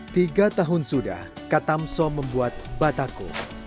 tiga tahun sudah katamso membuat batako